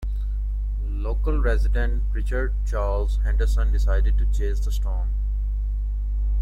Local resident Richard Charles Henderson decided to chase the storm.